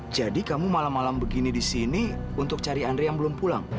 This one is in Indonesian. jadi kamu malam malam begini di sini untuk cari arian belum pulang